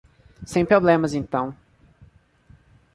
Sem problemas então.